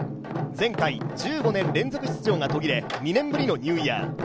前回、１５年連続出場が途切れ２年ぶりのニューイヤー。